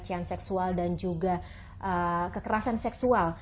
pelecehan seksual dan juga kekerasan seksual